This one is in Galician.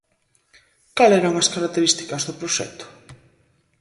Cal eran as características do proxecto?